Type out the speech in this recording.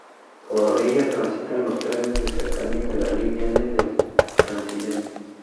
Por ella transitan los trenes de cercanías de la línea N del Transilien.